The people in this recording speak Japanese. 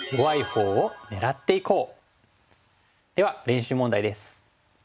では練習問題です。